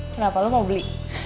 kenapa lo mau beli